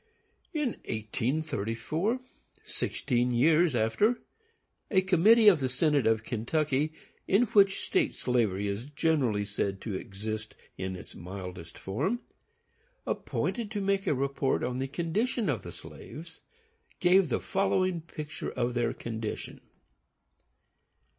In 1834, sixteen years after, a committee of the Synod of Kentucky, in which state slavery is generally said to exist in its mildest form, appointed to make a report on the condition of the slaves, gave the following picture of their condition.